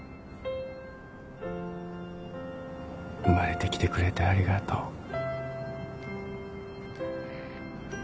生まれてきてくれてありがとう。